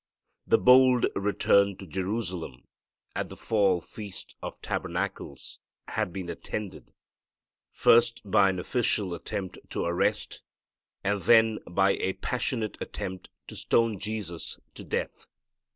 The bold return to Jerusalem at the fall Feast of Tabernacles had been attended, first by an official attempt to arrest, and then by a passionate attempt to stone Jesus to death.